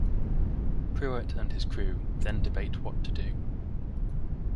Pruett and his crew then debate what to do.